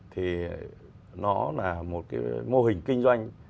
thì nó là một cái mô hình kinh doanh